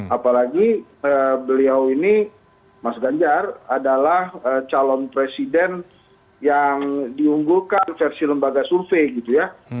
apalagi beliau ini mas ganjar adalah calon presiden yang diunggulkan versi lembaga survei gitu ya